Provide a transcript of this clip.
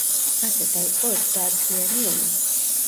ასე დაიწყო ოცდაათწლიანი ომი.